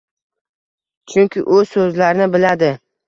chunki u so‘zlarni biladi.